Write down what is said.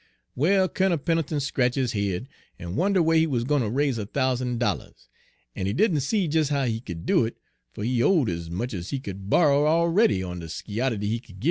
"Well, Kunnel Pen'leton scratch' 'is head, en wonder whar he wuz gwine ter raise a thousan' dollahs; en he didn' see des how he could do it, fer he owed ez much ez he could borry a'ready on de skyo'ity he could gib.